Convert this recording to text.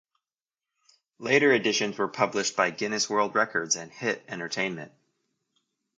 Later editions were published by Guinness World Records and HiT Entertainment.